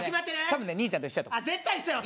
多分ね兄ちゃんと一緒やと思う